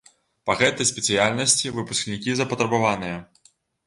Па гэтай спецыяльнасці выпускнікі запатрабаваныя.